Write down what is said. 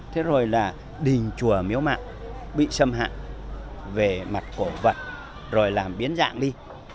thế rồi là đình chùa miếu mạng bị xâm hại về mặt cổ vật rồi làm biến dạng đi